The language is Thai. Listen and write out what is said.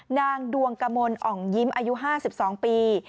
นางดวงกมลอ่องยิ้มอายุ๕๒ปี